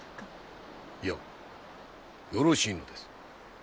いやよろしいのです。